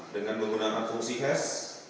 dengan menggunakan fungsi hes